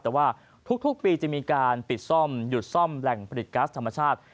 แต่ว่าทุกปีจะมีการปิดซ่อมหยุดซ่อมแหล่งผลิตก๊าซธรรมชาติ